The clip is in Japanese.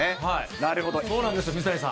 なるほど、そうなんです、水谷さん。